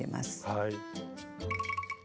はい。